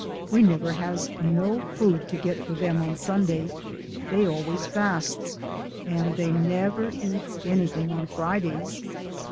We nebber has no food to get for dem on Sunday. Dey always fasts ; and dey nebber eats anyting on Fridays.